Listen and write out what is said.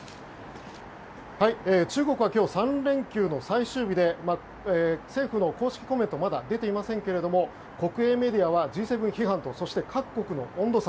中国は今日３連休の最終日で政府の正式コメントはまだ出ていませんけれども国営メディアはＧ７批判とそして、各国の温度差。